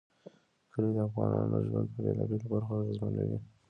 کلي د افغانانو ژوند په بېلابېلو برخو اغېزمنوي.